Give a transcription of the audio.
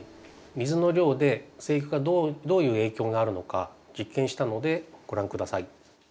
水の量で生育がどういう影響があるのか実験したのでご覧下さい。